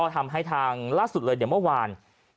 ทำให้ทางล่าสุดเลยเดี๋ยวเมื่อวาน